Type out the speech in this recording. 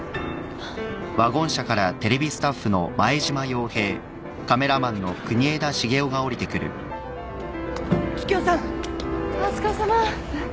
あっお疲れさま。